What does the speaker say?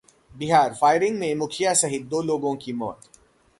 बिहारः firing में मुखिया सहित दो लोगों की मौत